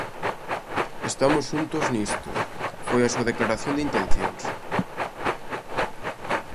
Estamos xuntos nisto, foi a súa declaración de intencións.